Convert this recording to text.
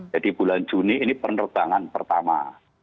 jadi bulan juni ini penerbangan pertama